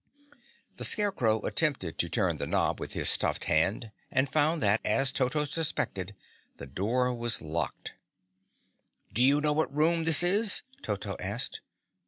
The Scarecrow attempted to turn the knob with his stuffed hand and found that, as Toto suspected, the door was locked. "Do you know what room this is?" Toto asked.